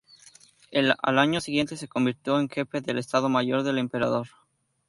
Al año siguiente se convirtió en jefe del estado mayor del emperador.